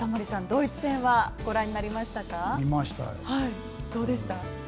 ドイツ戦はご覧になりましたか。どうでした？